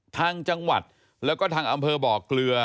ทางจังหวัดแล้วก็ทางอำเภอบ่อเกลือ